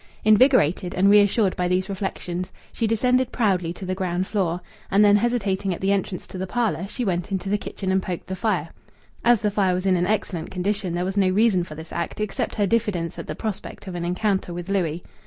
Invigorated and reassured by these reflections, she descended proudly to the ground floor. And then, hesitating at the entrance to the parlour, she went into the kitchen and poked the fire. As the fire was in excellent condition there was no reason for this act except her diffidence at the prospect of an encounter with Louis.